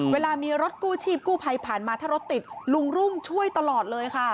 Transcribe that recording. เวลามีรถกู้ชีพกู้ภัยผ่านมาถ้ารถติดลุงรุ่งช่วยตลอดเลยค่ะ